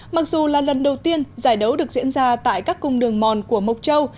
mặc dù là lần đầu tiên giải đấu được diễn ra tại các cung đường mòn của mộc châu